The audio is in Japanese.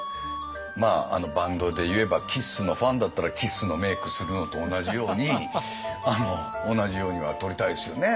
まあバンドでいえばＫＩＳＳのファンだったらＫＩＳＳのメークするのと同じように同じようには撮りたいですよね